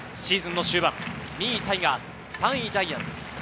シーズンの終盤、２位タイガース、３位ジャイアンツ。